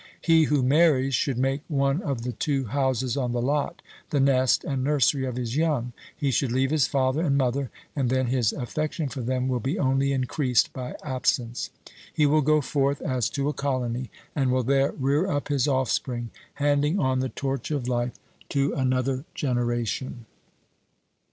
He who marries should make one of the two houses on the lot the nest and nursery of his young; he should leave his father and mother, and then his affection for them will be only increased by absence. He will go forth as to a colony, and will there rear up his offspring, handing on the torch of life to another generation.